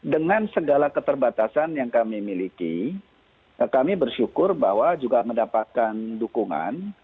dengan segala keterbatasan yang kami miliki kami bersyukur bahwa juga mendapatkan dukungan